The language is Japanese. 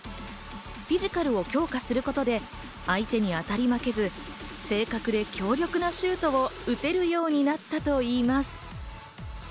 フィジカルを強化することで、相手に当たり負けず、正確で強力なシュートを打てるようになったといいます。